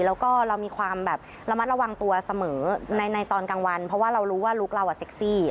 แล้วก็เรามีความแบบระมัดระวังตัวเสมอในตอนกลางวันเพราะว่าเรารู้ว่าลูกเราเซ็กซี่